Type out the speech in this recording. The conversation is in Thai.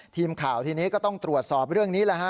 ทีมข่าวทีนี้ก็ต้องตรวจสอบเรื่องนี้แหละฮะ